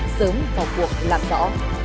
sớm vào cuộc làm rõ